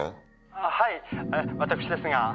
「あはい私ですが」